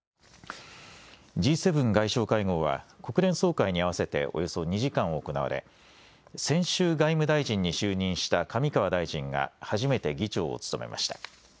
Ｇ７外相会合は国連総会に合わせておよそ２時間行われ先週、外務大臣に就任した上川大臣が初めて議長を務めました。